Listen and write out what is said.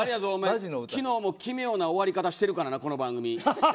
昨日も奇妙な終わり方してるからなこの番組。